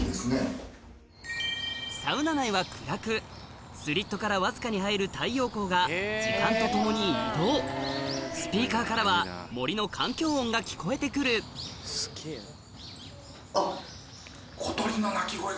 サウナ内は暗くスリットからわずかに入る太陽光が時間とともに移動スピーカーからは森の環境音が聞こえて来るあっ。